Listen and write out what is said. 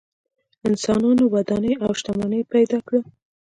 انسانانو ودانۍ او شتمنۍ پیدا کړه.